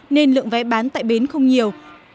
nên lượng vé bán tại bến không nhiều